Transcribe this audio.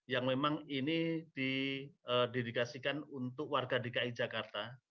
yang memang ini didedikasikan untuk warga dki jakarta